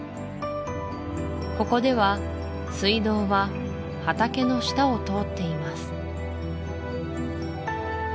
ここでは水道は畑の下を通っています